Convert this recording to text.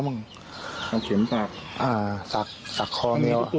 เอาเข็มสักไม่มีที่ตัวเลยอ่าสักสักคอแมว